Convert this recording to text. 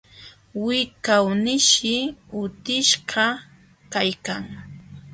Wiqawnishi utishqa kaykan,